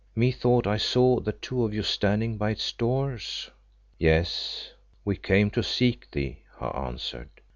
Methought I saw the two of you standing by its doors." "Yes, we came to seek thee," he answered.